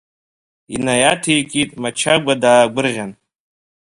Инаиаҭеикит Мачагәа даагәырӷьан.